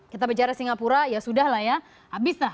kita bicara singapura ya sudah lah ya habis lah